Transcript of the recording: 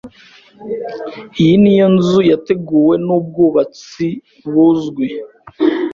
Iyi niyo nzu yateguwe nubwubatsi buzwi.